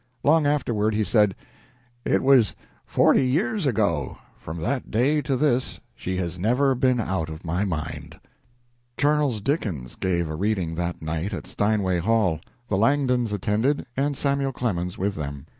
Long afterward he said: "It was forty years ago. From that day to this she has never been out of my mind." Charles Dickens gave a reading that night at Steinway Hall. The Langdons attended, and Samuel Clemens with them.